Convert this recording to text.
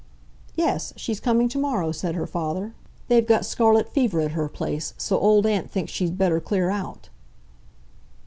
"Yes; she's coming to morrow," said her father. "They've got scarlet fever at her place. So Old Aunt thinks she'd better clear out."